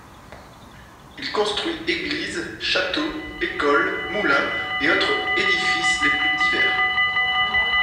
Il construit églises, châteaux, écoles, moulins et autres édifices les plus divers.